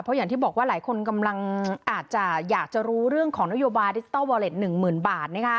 ขอบคุณค่ะคุณสิริวัณ